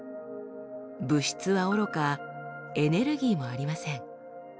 物質はおろかエネルギーもありません。